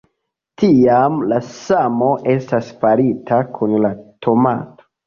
Tiam, la samo estas farita kun la tomato.